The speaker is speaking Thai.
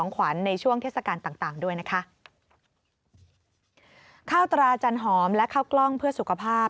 ข้าวตราจันหอมและข้าวกล้องเพื่อสุขภาพ